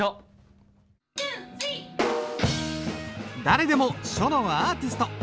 誰でも書のアーティスト。